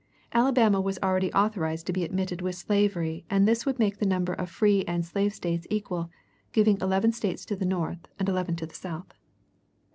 Alabama was already authorized to be admitted with slavery, and this would make the number of free and slave States equal, giving eleven States to the North and eleven to the South.